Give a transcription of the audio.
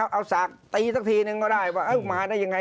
เอาสากตีสักทีนึงก็ได้ว่ามาได้ยังไง